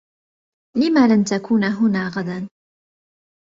لم لن تكون هنا غدا؟